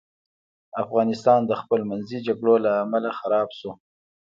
افغانستان د خپل منځي جګړو له امله خراب سو.